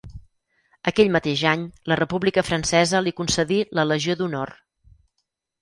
Aquell mateix any la República Francesa li concedí la Legió d'Honor.